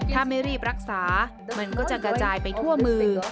ถ้าไม่รีบรักษามันก็จะกระจายไปทั่วมือ